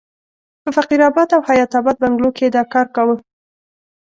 په فقیر اباد او حیات اباد بنګلو کې یې دا کار کاوه.